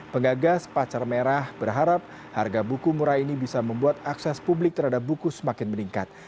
penggagas pacar merah berharap harga buku murah ini bisa membuat akses publik terhadap buku semakin meningkat